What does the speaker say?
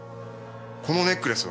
このネックレスは？